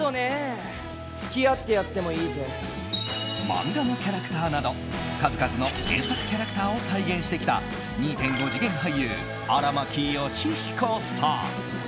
漫画のキャラクターなど数々の原作キャラクターを体現してきた２．５次元俳優、荒牧慶彦さん。